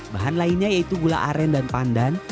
bahan lainnya yaitu gula aren dan pandan